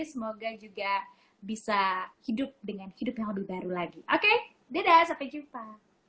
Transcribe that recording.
semoga juga bisa hidup dengan hidup yang lebih baru lagi oke dadah sampai jumpa